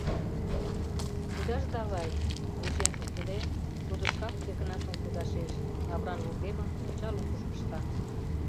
Кудаш давай! — вучен шуктыде, Тудо шкак Йыгнатым кудашеш, лавыран вургемым монча лукыш кышка.